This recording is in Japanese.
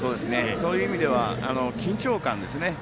そういう意味では緊張感ですね。